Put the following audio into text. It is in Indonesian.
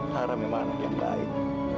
lara memang anak yang baik